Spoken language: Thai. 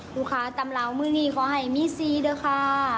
ลูกค้าตำราวมือนี้ขอให้มีซีด้วยค่ะ